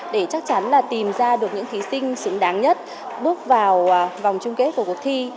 đã tìm ra được những thí sinh xứng đáng nhất bước vào vòng chung kết của cuộc thi